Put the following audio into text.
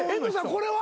これは？